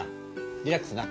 リラックスな。